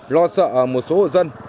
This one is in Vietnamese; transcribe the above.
lo sợ một số hộ dân